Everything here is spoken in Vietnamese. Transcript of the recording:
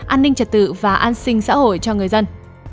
an ninh trật tự và an sinh xã hội cho người dân